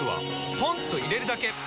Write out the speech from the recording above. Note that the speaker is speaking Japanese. ポンと入れるだけ！